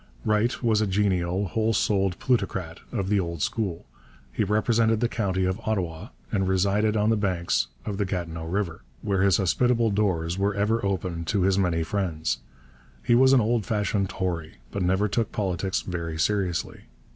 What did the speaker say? Wright was a genial, whole souled plutocrat of the old school. He represented the county of Ottawa, and resided on the banks of the Gatineau river, where his hospitable doors were ever open to his many friends. He was an old fashioned Tory, but never took politics very seriously.